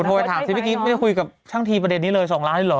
ถามสิพี่กี้ไม่ได้คุยกับช่างทีประเด็นนี้เลย๒ล้านเถอะ